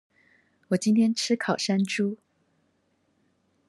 我今天吃烤山豬